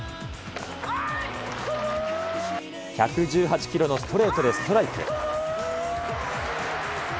１１８キロのストレートでストライク。